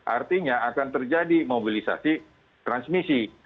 artinya akan terjadi mobilisasi transmisi